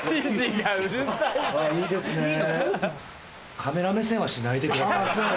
カメラ目線はしないでください。